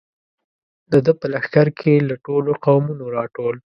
د ده په لښکر کې له ټولو قومونو را ټول.